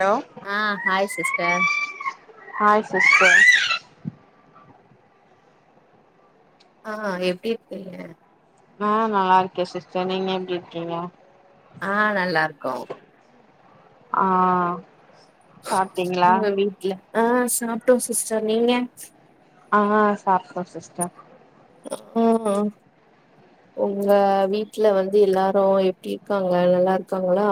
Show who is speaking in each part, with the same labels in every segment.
Speaker 1: hello
Speaker 2: ஆ hi sister
Speaker 1: hi sister
Speaker 2: ஆ எப்டி இருக்கீங்க
Speaker 1: ஆ நல்லா இருக்கே சிஸ்டர் நீங்க எப்டி இருக்கீங்க
Speaker 2: ஆ நல்லா இருக்கோ
Speaker 1: ஆ சாப்ட்டீங்களா
Speaker 2: உங்க வீட்ல ஆ சாப்டோ சிஸ்டர் நீங்க
Speaker 1: ஆ சாப்டோ சிஸ்டர்
Speaker 2: ம் ஒங்க வீட்ல வந்து எல்லாரு எப்டி இருக்காங்க நல்லா இருக்காங்ளா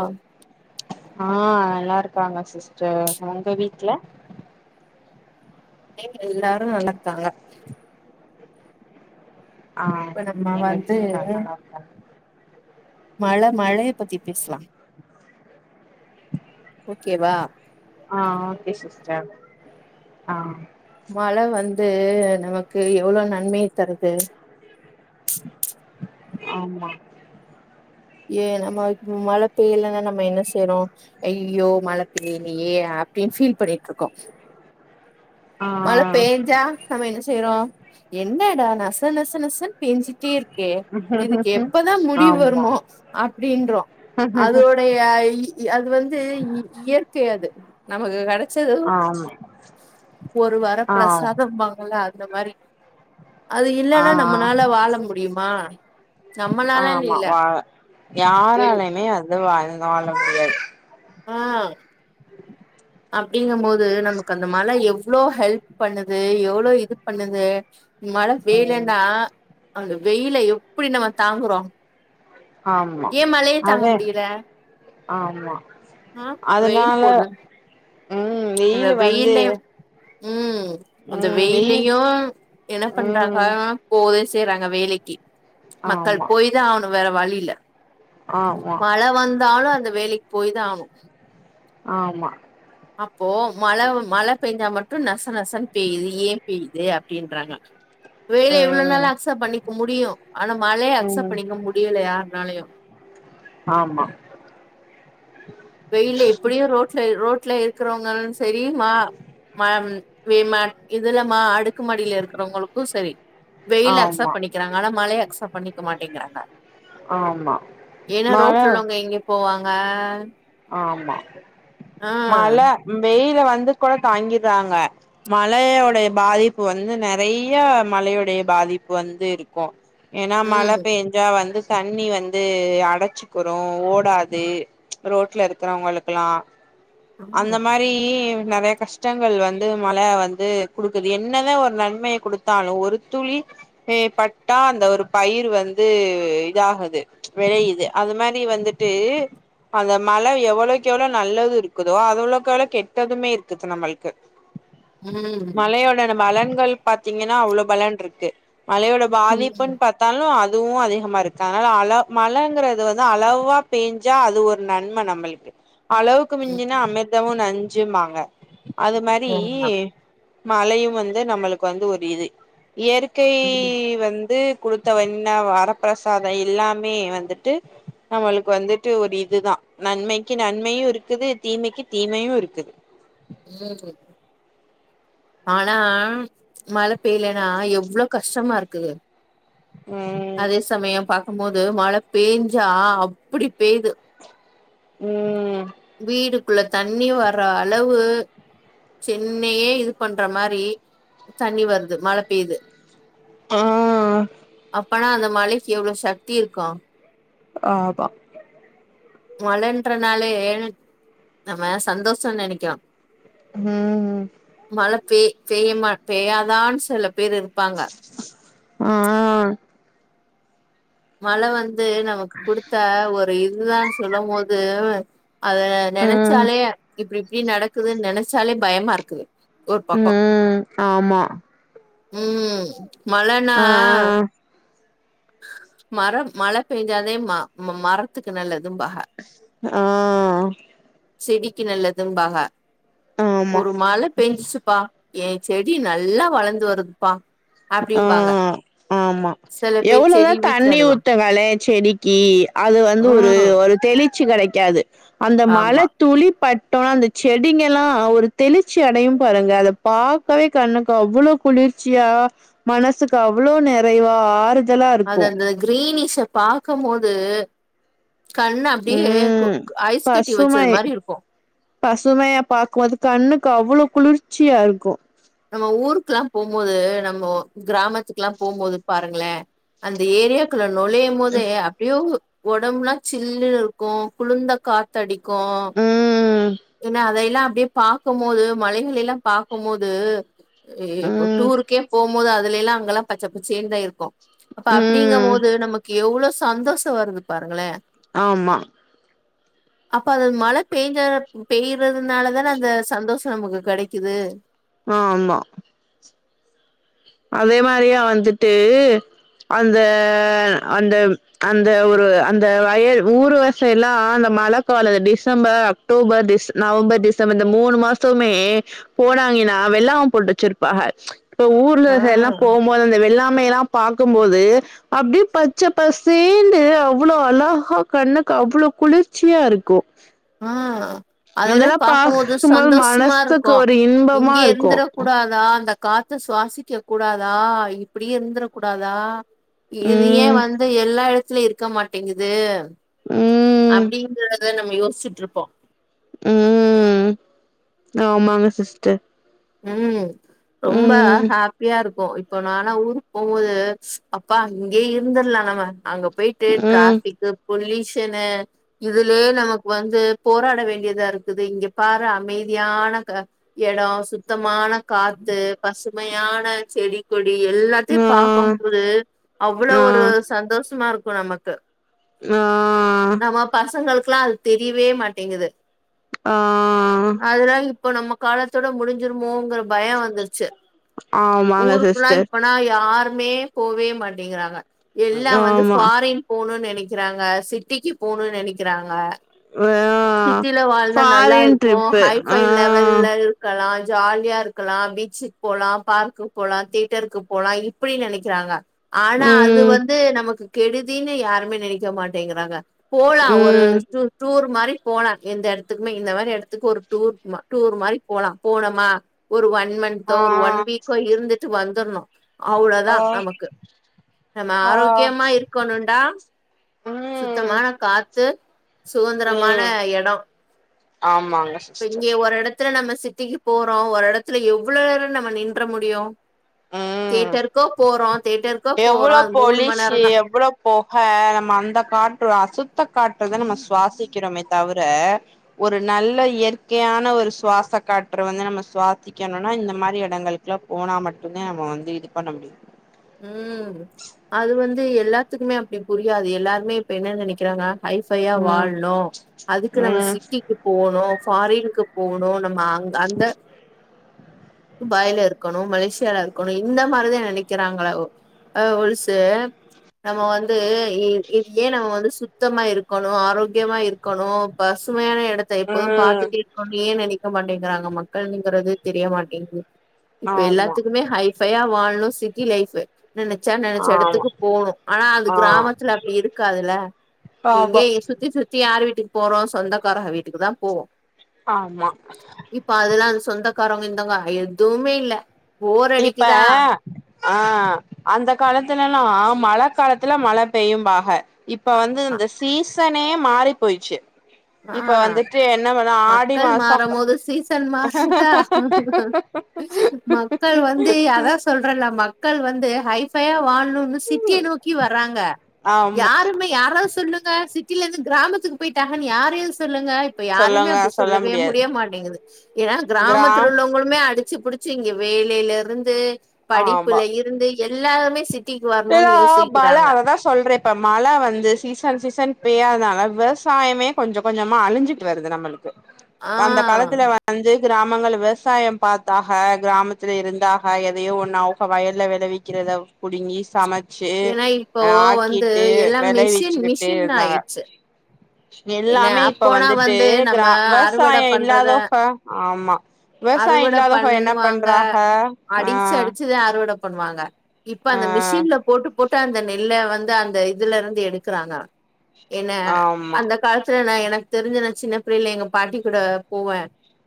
Speaker 1: ஆ நல்லா இருக்காங்க சிஸ்டர் ஒங்க வீட்ல
Speaker 2: எல்லாரு நல்லாருக்காங்க
Speaker 1: ஆ
Speaker 2: இப்ப நம்ம
Speaker 1: எங்க
Speaker 2: வந்து
Speaker 1: வீட்லயு நா நல்லா இருக்காங்க
Speaker 2: மழ மழய பத்தி பேசலா ஓகேவா
Speaker 1: ஆ ஓகே சிஸ்டர் ஆ
Speaker 2: மழ வந்து நமக்கு எவ்ளோ நன்மைய தருது
Speaker 1: ஆமா
Speaker 2: ஏ நம்ம மழ பெய்யலன்னா நம்ம என்ன செய்றோ அய்யய்யோ மழ ஏ அப்டின்னு ஃபீல் பண்ணிட்டு இருக்கோ மழ
Speaker 1: ஆ
Speaker 2: பேஞ்சா நம்ம என்ன செய்றோ என்ணடா நச நச நசன்னு பேஞ்சிட்டே இருக் கே இதுக்கு எப்பதா முடிவு
Speaker 1: ஆமா
Speaker 2: வருமோ அப்டின்றோ
Speaker 1: ஆமா
Speaker 2: அதோடைய அது வந்து இ இயற்கை அது நமக்கு கடச் ச்சது
Speaker 1: ஆ
Speaker 2: ஒரு வரப்பிரசாதம் வாங்கல அந்த மாரி அது
Speaker 1: ஆ
Speaker 2: இல்லன்னா நம்மனால வாழ முடியுமா நம்மனாலனு இல்ல எல்
Speaker 1: யாராலுமே அது வாழ் வாழ முடியாது
Speaker 2: ஆ அப்டிங்க போது நமக்கு அந்த மழ எவ்வளோ ஹெல்ப் பண்ணுது எவ்வளோ இது பண்ணுது மழ
Speaker 1: ம்
Speaker 2: பெய்லனா அந்த வெயில்ல எப்டி நம்ம தாங்குறோ
Speaker 1: ஆமா
Speaker 2: ஏ மழைய தாங்க
Speaker 1: அது
Speaker 2: முடியல
Speaker 1: ஆமா
Speaker 2: ஆ வெயில்
Speaker 1: அதனால
Speaker 2: போடு
Speaker 1: ம்
Speaker 2: அந்த
Speaker 1: வெயில் வந்து
Speaker 2: வெயிலயு ம் அந்த
Speaker 1: ம் வெயில்
Speaker 2: வெயிலையு என்ன பண்றாங்க
Speaker 1: ம்
Speaker 2: ஆ போகதா செய்றாங்க வேலைக்கு மக்கள்
Speaker 1: ஆமா
Speaker 2: போய்தா அவனு வேற வழியில
Speaker 1: ஆமா
Speaker 2: மழை வந்தாலு அந்த வேலைக்கு போய் தா ஆகனு
Speaker 1: ஆமா
Speaker 2: அப்போ மழ மழ பேஞ்சா மட்டு நச நசன்னு பெய்யுது ஏ பெய்யுது அப்டின்றாங்க வெயில எவ்வளோ நாலு
Speaker 1: ம்
Speaker 2: அக்செப்ட் பண்ணிக்க முடியு ஆனா மழைய அக்செப்ட்
Speaker 1: ம்
Speaker 2: பண்ணிக்க முடியல யாருநாலையு
Speaker 1: ஆமா
Speaker 2: வெயில்ல எப்படியு ரோட்டுல ரோட்ல இருக்கிறவங்க தெரியுமா மா மா இமா இதுல மா அடுக்கு மாடியில இருக்கிறவங்களுக்கு சரி வெயில
Speaker 1: ஆமா
Speaker 2: அக்செப்ட் பண்ணிக்கிறாங்க ஆனா மழைய அக்சப்ட் பண்ணிக்க மாட்டேங்கிறாங்க
Speaker 1: ஆமா
Speaker 2: ஏன்னா
Speaker 1: மழ
Speaker 2: ரோட்ல உள்ளவங்க எங்க போவாங்க
Speaker 1: ஆமா
Speaker 2: ஆ
Speaker 1: மழ வெயில வந்து கூட தாங்கிற்றாங்க மழையோடைய பாதிப்பு வந்து நெறைய மழையோடைய பாதிப்பு வந்து இருக்கு ஏன்னா மழை
Speaker 2: ம்
Speaker 1: பெஞ்சா வந்து தண்ணி வந்து அடைச்சுக்குரு ஓடாது ரோட்டுல இருக்கிறவங்களுக்கெல்லா அந்த
Speaker 2: ம்
Speaker 1: மாரி கி நெறையா கஷ்டங்கள் வந்து மழ வந்து குடுக்குது என்னதா ஒரு நன்மைய குடுத் தாலு ஒரு துளி பட்டா அந்த ஒரு பயிர் வந்து இதாகுது வெளையுது அந்த மாரி வந்துட்டு அந்த மழ எவ்வளோக்கேவளோ எவ்வளவு நல்லது இருக்குதோ அவ்வளுக்கவளோ கெட்டதுமே இருக்குது நம்மளுக்கு
Speaker 2: ம்
Speaker 1: மழயோட பலன்கள் பாத்தீங்கன்னா அவ்வலோ பலன் இருக்கு மழையோட
Speaker 2: ம்
Speaker 1: பாதிப்புன்னு பாத்த த்தாலு அதுவு அதிகமா இருக்கு அதனால அள மழைங்கிறது வந்து அளவா பேஞ்சா அது ஒரு நன்ம நம்மளுக்கு அளவுக்கு மிஞ்சுனா அமிர்தமு நஞ்சும்பாங்க அது மாரி
Speaker 2: ஆமா
Speaker 1: மழையு வந்து நம்மளுக்கு வந்து ஒரு இது இயற்கை
Speaker 2: ம் ம்
Speaker 1: வந்து குடுத்தவண்ண வரப்பிரசாதோ எல்லாமே வந்துட்டு நம்மளுக்கு வந்துட்டு ஒரு இதுதா நன்மைக்கு நன்மையு இருக்குது தீமைக்கு தீமையு இருக்குது
Speaker 2: ம் ஆனா மழை பெய்யலன்னா எவ்வளோ கஷ்டமா இருக்குது
Speaker 1: ம்
Speaker 2: சில சமயோ பாக்கும் போது மழ பெஞ்சா அப்படி பெய்து
Speaker 1: ம்
Speaker 2: வீடுக்குள்ள தண்ணி வர அளவு சென்னையே இது பண்ற மாரி தண்ணி வருது மழ பெய்யுது
Speaker 1: ஆ
Speaker 2: அப்பனா அந்த மழைக்கு எவ்வளோ சக்தி இருக்கு
Speaker 1: ஆபா
Speaker 2: மழன்றனாலயே நம்ம சந்தோஷோன் நெனைக்கிறோ
Speaker 1: உம்
Speaker 2: மழ பேய் பேய்யம்மா பெய்யாதான் செல பேர் இருப்பாங்க
Speaker 1: ஆ
Speaker 2: மழ வந்து நமக்கு குடுத்த ஒரு இதுதான் சொல்லும் போது அத
Speaker 1: ம்
Speaker 2: நெனச்சாலே இப்டி இப்டி நடக்குதுன் நெனச்சாலே பயமா இருக்குது ஒரு பக்கோ
Speaker 1: ம் ஆமா
Speaker 2: உம் மழன்னா
Speaker 1: ஆ
Speaker 2: மரம் மழ பெஞ்சாதே ம மமரத்துக்கு நல்லதும்பாக
Speaker 1: ஆ
Speaker 2: செடிக்கு நல்லதும்பாக
Speaker 1: ஆமா
Speaker 2: ஒரு மழ பெஞ்சிச்சுப்பா ஏ செடி நல்லா வளந்து வருதுப்பா
Speaker 1: ஆ
Speaker 2: அப்டிம்பாங்க
Speaker 1: ஆமா
Speaker 2: சில பேர்
Speaker 1: எவ்வளோதா
Speaker 2: செடி வீட்ல
Speaker 1: தண்ணி
Speaker 2: நடுவா
Speaker 1: ஊத்த வேலே செடிக்கி அது வந்து ஒரு
Speaker 2: ம்
Speaker 1: ஒரு தெளி ச்சி கெடைக்காது அந்த
Speaker 2: ஆமா
Speaker 1: மழத் துளிபட்டோன அந்த செடிங்கலா ஒரு தெளிர்ச்சி அடையும் பாருங்க அத பாக்கவே கண்ணுக்கு அவ்வளோ குளிர்ச்சியா மனசுக்கு அவ்வளோ நெறைவா ஆறுத்
Speaker 2: அதந்த கிரீனிஷ பாக்கம்மோது கண்ண அப்டியே
Speaker 1: ம்
Speaker 2: குக் ஐஸ் கட்டி வச்சது
Speaker 1: பசுமை
Speaker 2: மாரி இருக்கு
Speaker 1: பசுமையா பாக்கும்போது கண்ணுக்கு அவ்வளோ குளுர்ச்சியா இருக்கு
Speaker 2: நம்ம ஊருக்லா போம் போது நம்மோ கிராமத்துக்லா போம் போது பாருங்ளே அந்த ஏரியாக் குள்ள நொழையும் மோதே அப்டியோவ் ஒடம்லா சில்லுனு இருக்கு குளுர்ந்த காத் தடிக்கூ
Speaker 1: ம்
Speaker 2: என்ன அதையெல்லா அப்டியே பாக்கம்மோது மலைகளைலா பாக்கம்மோ து ஏ இப்ப
Speaker 1: ம்
Speaker 2: டூருக்கே போம்மோது அதுலைல்லா அங்கல்லா பச்ச பச்சேன்தா இருக்கு அப்ப
Speaker 1: ம்
Speaker 2: அப்டிங்கம்போது நமக்கு எவ்ளோ சந்தோஷோ வருது பாருங்களே
Speaker 1: ஆமா
Speaker 2: அப்பது மழ பேஞ்சா பெய்றதுனாலதான அந்த சந்தோஷோ நமக்கு கெடைக்குது
Speaker 1: ஆமா அதே மாரியா வந்துட்டு அந்த அந்த அந்த ஒரு அந்த வயல் ஊருவசையெல்லா அந்த மழ காலு டிசம்பர் அக்டோபர் டிஸ் நவம்பர் டிசம்பர் இந்த மூணு மாசவுமே போறாய்ங்கனா வெள்ளாம போட்டு வச்சிருப்பாக இப்ப
Speaker 2: ஆ
Speaker 1: ஊர்லக எல்லா போம் போது அந்த வெள்ளாமையெலா பாக்கும்போது அப்டியே பச்சப்பசேன்னு அவ்வளோ அழகா கண்ணுக்கு அவ்வளோ குளிர்ச்சியா இருக்கு
Speaker 2: ஆ அதைல்லா
Speaker 1: அதெல்லா
Speaker 2: பாக்கும்போது சந்தோஷமா
Speaker 1: மனசுக்கு
Speaker 2: இருக்கு
Speaker 1: ஒரு இன்பமா
Speaker 2: இங்கயே
Speaker 1: இருக்கு
Speaker 2: இருந்துர கூடாதா அந்த காத் து சுவாசிக்க கூடாதா இப்டியே இருந்துர கூடாதா இது ஏ
Speaker 1: ம்
Speaker 2: வந்து எல்லா எடத்லை இருக்க மாட்டேங்குது
Speaker 1: ம்
Speaker 2: அப்டிங்குற த நம்ம யோசிச்சிட்ருப்போ
Speaker 1: உம் ஆமாங்க சிஸ்டர்
Speaker 2: உம் ரொம்ப
Speaker 1: ம்
Speaker 2: ஹேப்பியா இருக்கு இ ப்போ நானா ஊருக் போம்போது அப்பா இங்கயே இருந்துர்லா நம்ம அங்க போயிட்டு
Speaker 1: ம்
Speaker 2: டிராஃபிக்கு பொல்யூஷனு இதுலயே நமக்கு வந்து போராட வேண்டியதா இருக்குது இங்க பாரு அமைதியான க எடோ சுத்தமான காத்து பசுமையான செடி கொடி எல்லாத்தியு
Speaker 1: ஆ
Speaker 2: பாக்கும்போது அவுளோ
Speaker 1: ஆ
Speaker 2: ஒரு சந்தோஷ்மா இருக்கு நம க்கு
Speaker 1: ஆ
Speaker 2: நம்ம பசங்களுக்குலா அது தெரியவே மாட்டேங்குது
Speaker 1: ஆ
Speaker 2: அதுனால இப்ப நம்ம காலத்தோட முடிஞ்சிருமோங்கிற பயோ வந்துருச்சு
Speaker 1: ஆமாங்க
Speaker 2: ஊருக்குளா
Speaker 1: சிஸ்டர்
Speaker 2: இப்ப லா யாருமே போவே மாட்டேங்குறாங்க எல்லா வந்து
Speaker 1: ஆமா
Speaker 2: ஃபாரின் போனு நெனைக்கிறாங்க சிட்டிக்கு போணுன் நெனைக்கிறாங்க
Speaker 1: ஆ
Speaker 2: சிட்டில வாழ்ந்தா நல்லா
Speaker 1: ஃபாரின்
Speaker 2: இருக்கு
Speaker 1: ட்ரிப்பு ஆ
Speaker 2: ஹைஃபை லெவல்ல இருக்கலா ஜாலியா இருக்கலா பீச்சுக் போலா பார்க்குக் போலா தேட்டருக்கு போலா இப்புடி நெனைக்கிறாங்க ஆனா அது
Speaker 1: ம்
Speaker 2: வந்து நமக்கு கெடுதினு யாருமே நெனைக்க மாட்டேங்குறாங்க போலா ஒரு
Speaker 1: ம்
Speaker 2: டூ டூர் மாரி போலா இந்த எடத் துக்குமே இந்த மாரி எடத்துக்கு ஒரு டூர் மா டூரு மாரி போலா போனமா ஒரு ஒன் மன் தோ
Speaker 1: ஆ
Speaker 2: ஒரு ஒன் வீக்கோ இருந்துட்டு வந்துர்ணு அவுளோதா
Speaker 1: ஆ
Speaker 2: நமக்கு நம்ம
Speaker 1: ஆ
Speaker 2: ஆரோக்கியமா இருக்கணுன்டா
Speaker 1: ம்
Speaker 2: சுத்தமான காத்து சுதந்திரமான
Speaker 1: ம்
Speaker 2: எடோ
Speaker 1: ஆமாங்க
Speaker 2: இப்ப
Speaker 1: சிஸ்டர்
Speaker 2: இங்யே ஒரு எட த்துல நம்ம சிட்டிக்கு போறோ ஒரு எடத்துல எவுளோ நேரோ நம்ம நின்ற முடியு
Speaker 1: ம்
Speaker 2: தேட்டருக்கோ போறோ தேட்டருக்கோ போறோ அது மூணும நேரோந்தா
Speaker 1: போக நம்ம அந்த காற்று அசுத்த காற்றுதா நம்ம சுவாசிக்கிறோமே தவுர ஒரு நல்ல இயற்கையான ஒரு சுவாச காற்ற வந்து நம்ம சுவாசிக்கணுனா இந்த மாரி எடங்கள் க்லா போனா மட்டுந்தா நம்ம வந்து இது பண்ண முடியு
Speaker 2: ம் அது வந்து எல்லாத்துக்குமே அப்டி புரியாது எல்லாருமே இப்ப என்ன நெனைக்குறாங்க ஹைஃபையா
Speaker 1: ம்
Speaker 2: வாழ்னு அதுக்கு நம்ம
Speaker 1: ம்
Speaker 2: சிட்டிக்கு போணு ஃபாரினுக்கு போணு நம்ம அங்க அந்த துபாய்ல இருக்கணு மலேசியால இருக்கணு இந்த மாரிதா நெனைக் க்கிறாங்கள ஒ அ ஒழுசு நம்ம வந்து இ இது ஏன் நம்ம வந்து சுத் தமா இருக்கணு ஆரோக்கியமா இருக்கணு பசுமையான எடத்த எப்போது பாத்து
Speaker 1: ம்
Speaker 2: ர்கோனே நெனைக்க மாட்டேங்குறாங்க மக்கள்னுங்கிறது தெரிய மாட்டேங்குது இப்ப
Speaker 1: ஆமா
Speaker 2: எல்லாத்துக்குமே ஹைஃபையா வாழ்ணு சிட்டி லைஃபு நெனச்சா நெனச்ச
Speaker 1: ஆமா
Speaker 2: எடத்துக்கு போணு ஆனா அது
Speaker 1: ஆ
Speaker 2: கிராமத்துல அப்டி இருக்காதுல
Speaker 1: ஆமா
Speaker 2: எங்கேயு சுத்தி சுத்தி யாரு வீட்டுக்கு போறோ சொந்தக்காரக வீட்டுக்குதான் போவோ
Speaker 1: ஆமா
Speaker 2: இப்ப அதெல்லா அந்த சொந்தக்காரவ்ங்க இந்தங்க எதுவுமே இல்ல போர்
Speaker 1: இப்ப
Speaker 2: அடிக்குதா
Speaker 1: ஆ அந்த காலத்துலலா மழ காலத்துல மழ பெய்யும்பாக இப் இப்ப வந்து
Speaker 2: ஆமா
Speaker 1: இந்த சீசனே மாரி போய்ர்ச்சு
Speaker 2: ஆ
Speaker 1: இப்போ வந்துட்டு என்ன பண்ணுவா ஆடி
Speaker 2: மக்கள்
Speaker 1: மாசோ
Speaker 2: மாறும் போது சீசன் மாறுதா மக்கள் வந்து அதா சொல்றன்ல மக்கள் வந்து ஹைஃபையா வாழ்னுன் இந்த சிட்டிய நோக்கி வர்றாங்க
Speaker 1: ஆமா
Speaker 2: யாருமே யாராது சொல்லு இந்த சிட்டில இருந்து கிராமத்துக்கு போய்ட்டாங்கன் யாரையு சொல்லுங்க இப்ப யாருமே
Speaker 1: சொல்லுங்க
Speaker 2: அப்டி
Speaker 1: சொல்ல
Speaker 2: சொல்லவே
Speaker 1: முடியாது
Speaker 2: முடிய மாட்டேங்குது ஏனா கிராமத்துல
Speaker 1: கிராம்
Speaker 2: உள்ளவங்குளுமே அடிச்சு புடு ச்சிங்க வேலையில இருந்து படிப்புல
Speaker 1: ஆமா
Speaker 2: இருந்து எல்லாருமே சிட்டிக்கு வரணுன் யோசிக்றாங்க
Speaker 1: சொல்றே இப்ப மழ வந்து சீசன் சீசன் பெய்யாதனால விவசாயமே கொஞ்ச கொஞ்சமா அழி்ஞ்சிட்டு வருது நம்மளுக்
Speaker 2: ஆ
Speaker 1: அந்த காலத்துல வந்து கிராமங்களு விவசாயம் பாத்தாக கிராமத்துல இருந்தாக எ தையோ ஒன்னு அவ்க வயல்ல விளைவிக்கிறத புடுங்கி சம
Speaker 2: ஏன்னா இப்போ வந்து எல்லா மிஷின்
Speaker 1: விளைவிச்சுக்கிட்டு
Speaker 2: மிஷின்
Speaker 1: இருந்தாங்க
Speaker 2: ஆய்ச்சு என்ன
Speaker 1: எல்லாமே இப்ப
Speaker 2: அப்போனா
Speaker 1: வந்துட்டு
Speaker 2: வந்து நம்ம
Speaker 1: கிரா
Speaker 2: அறுவட
Speaker 1: விவசாயம்
Speaker 2: பண்றத
Speaker 1: இல்லாதவக ஆமா விவசாயம்
Speaker 2: அறுவட
Speaker 1: இல்லாதவக என்ன
Speaker 2: பண்ணுவாங்க
Speaker 1: பண்றாக ஆ
Speaker 2: அடிச்சு அடிச்சதா அறுவட பண்ணுவாங்க இப்ப
Speaker 1: ஆ
Speaker 2: அந்த மிஷின்ல போட்டு போட்டு அந்த நெல்ல வந்து அந்த இதுல இருந்து எடுக்கறாங்க என்ன
Speaker 1: ஆமா
Speaker 2: கால்த்து நா எனக் தெரிஞ்ச நா சின்ன பிள்ளைல எங்க பாட்டி கூட போவே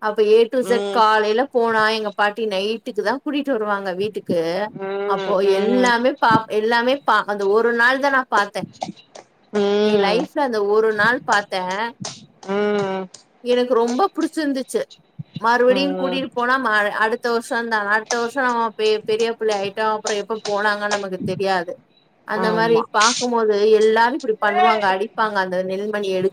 Speaker 2: அப்ப ஏ டு ஜட்
Speaker 1: ம்
Speaker 2: காலையில போனா எங்க பாட்டி நைட்டுக்கு தா கூட்டிட்டு வருவாங்க வீட்டுக்கு
Speaker 1: ம்
Speaker 2: அப்போ
Speaker 1: ம்
Speaker 2: எல்லாமே பா எல்லாமே ப அந்த ஒரு நாள் தா நா பாத்தே எ
Speaker 1: ம்
Speaker 2: லைப்ல அந்த ஒரு பாத்த
Speaker 1: ம்
Speaker 2: எனக்கு ரொம்ப புடிச்சிருந்துச்சு மறுவடியு
Speaker 1: ம்
Speaker 2: கூட்டிகிட் போனா மா அடுத் த வர்ஷ த அட்த்த வர்ஷ நம்ம பெரியபுல்ல ஆய்ட்டு அப்புற எப்ப போனாங்கன்னு நமக்கு தெரியாது அந்த மாரி
Speaker 1: ஆமா
Speaker 2: பாக்கும்போது எல்லா இப்படி பண்ணுவாங்க அடிப்பாங்க அந்த நெல்மணி எடு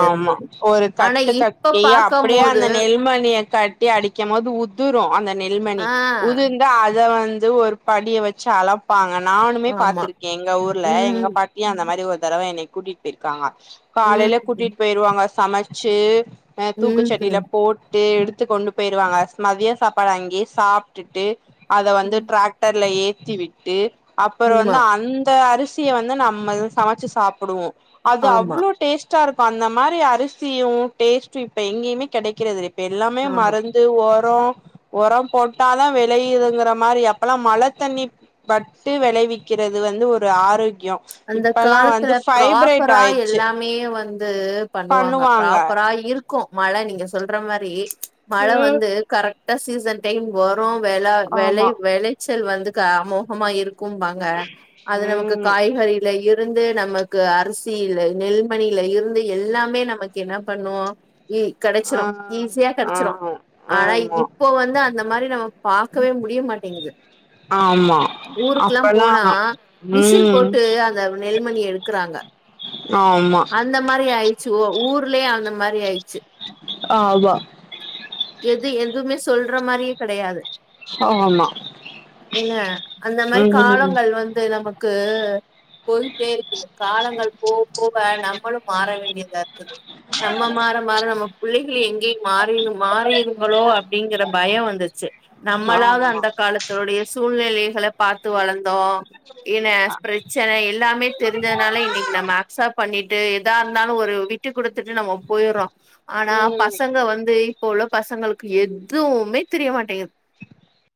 Speaker 1: ஆமா ஒரு
Speaker 2: ஆனா
Speaker 1: கட்டு
Speaker 2: இப்ப
Speaker 1: கட்டி அப்படியே
Speaker 2: பாக்கம்போது
Speaker 1: அந்த நெல்மணிய கட் டி அடிக்க மோது உதுரு அந்த நெல்மணி
Speaker 2: ஆ
Speaker 1: உதிர்ந்த அத வந்து ஒரு படிய வச்சு அலா ப்பாங்க நானுமே
Speaker 2: ஆமா
Speaker 1: பாத்திருக்கே எங்க ஊர்ல எங்க
Speaker 2: ம்
Speaker 1: பாட்டியு அந்த மாரி ஒரு தடவ என்னை கூட்டிட் போயிர்க்காங்க காலையில
Speaker 2: ம்
Speaker 1: கூட்டிட் போயிருவாங்க சமச்சு ஆ தூக்குச்சட்டில
Speaker 2: ம்
Speaker 1: போ டு எடுத்து கொண்டு போய்ருவாங்க மதிய சாப்பாடு அங்கியே சாப்ட்டுட்டு அத வந்து
Speaker 2: ம்
Speaker 1: ட்ராக் டர்ல ஏத்தி விட்டு அப்புறோ
Speaker 2: ஆமா
Speaker 1: வந்து அந்த அரி சிய வந்து நம்ம சமச்சு சாப்புடுவோ அது அப்
Speaker 2: ஆமா
Speaker 1: ப டேஸ்ட்டா இருக்கு அந்த மாரி அரிசியு டேஸ்ட்டு இப்ப எங்கீம்மே கிடைக்கிறது ப்ப எல்லாமே
Speaker 2: ஆமா
Speaker 1: மறந் து ஒரோ ஒரம் போட்டாதா விளையுதுங்கிற மாரி அப்பல்லா மழ தண்ணி பட்டு விளைவிக்கிறது வந்து ஒரு ஆரோக்கியோ
Speaker 2: அந்த
Speaker 1: இப்பல்லா வந்து
Speaker 2: காலத்துல
Speaker 1: பைப்ரேட் ஆயி
Speaker 2: து பண்ணுவாங்க ப்ராப்பரா இரு க்கு மழ நீங்க சொல்ற மாரி மழ
Speaker 1: ம்
Speaker 2: வந்து கரெக்டா சீசன் டைம் வரு வெள வெளை
Speaker 1: ஆமா
Speaker 2: வெளைச்சல் வந்துக்க அமோகமா இருக் கும்பாங்க அது நமக்கு
Speaker 1: ம்
Speaker 2: காய் யில இருந்து நமக்கு அரிசியில நெல்மணில இருந்து எல்லாமே நமக்கு என்ன பண்ணுவோ ஈ கெடச்சிரு
Speaker 1: ஆ
Speaker 2: ஈசியா
Speaker 1: ஆ
Speaker 2: கெடச்சிரு ஆனா
Speaker 1: ஆமா
Speaker 2: இப் போ வந்து அந்த மாரி நம்ம பாக்கவே முடியமாட்டேங்குது
Speaker 1: ஆமா
Speaker 2: ஊருக்குலா
Speaker 1: அப்பல்லா
Speaker 2: போனா மிஷின்
Speaker 1: ம்
Speaker 2: போட்டு அந்த நெல்மணிய எடுக்குறாங்க
Speaker 1: ஆமா
Speaker 2: அ இந்த மாரி ஆய்ச்சு ஒ ஊர்லயே அந்த மாரி ஆய்ச்சு
Speaker 1: ஆமா
Speaker 2: எது எதுமே சொல்ற மாரியே கெடையாது
Speaker 1: ஆமா
Speaker 2: என்ன அந்தமாரி
Speaker 1: ம்
Speaker 2: காலங்கள் வந்து நமக்கு கு போய்ட்டேருக்குது காலங்கள் போ போவ நம்மளு மாற வேண்டியதாருக்குது நம்ம மாற மாற நம்ம புள்ளைகளு எங்கே மாறிரு மாறிருங்ளோ அப்டிங்குற பயோ வந்துர்ச்சு நம்மளாது
Speaker 1: ஆமா
Speaker 2: அந்த காலத்தோடைய சூழ்நெலைகள பாத்து வளந்தோ என
Speaker 1: அ
Speaker 2: பிரச்சன எல்லாமே தெரிஞ்சதுனால இன்னக் நம்ம அக்சப் பண்ணிட்டு எதாருந்தாலு ஒரு விட்டு குடுத்துட்டு நம்ம பொய்றோ ஆனா
Speaker 1: ம்
Speaker 2: பசங்க வந்து இப்போ உள்ள பசங்களுக்கு எதுமே தெரியமாட்டேங்குது